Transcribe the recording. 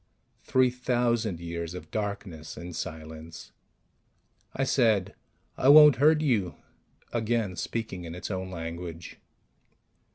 Three thousand years of darkness and silence ... I said, "I won't hurt you," again speaking in its own language.